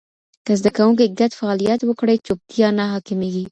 که زده کوونکي ګډ فعالیت وکړي، چوپتیا نه حاکمېږي.